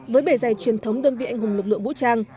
với bề dày truyền thống đơn vị anh hùng lực lượng vũ trang